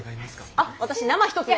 あっ私生１つで。